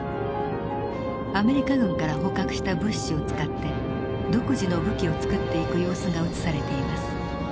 アメリカ軍から捕獲した物資を使って独自の武器を作っていく様子が映されています。